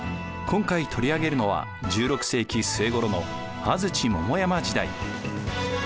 今回取り上げるのは１６世紀末ごろの安土桃山時代。